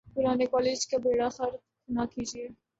پرانے کالج کا بیڑہ غرق نہ کیجئے۔